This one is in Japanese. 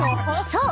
［そう。